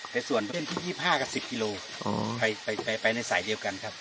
แต่ส่วนเพื่อนที่๒๕กับ๑๐กิโลไปในสายเดียวกันครับ